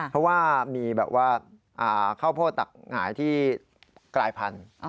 เพราะว่ามีแบบว่าข้าวโพดตักหงายที่กลายพันธุ์